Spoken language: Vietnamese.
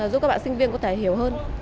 giúp các bạn sinh viên có thể hiểu hơn